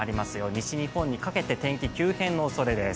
西日本にかけて天気急変のおそれです。